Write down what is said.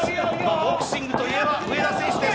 ボクシングといえば上田選手です。